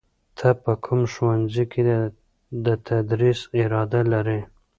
ته په کوم ښوونځي کې د تدریس اراده لرې؟